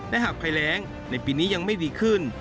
และหากภัยแรงในปีนี้ยังไม่ดีขึ้น